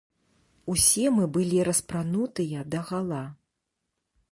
Усе мы былі распранутыя дагала.